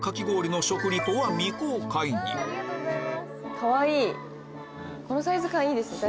かわいい！